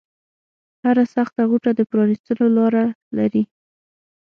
هره سخته غوټه د پرانیستلو لاره لري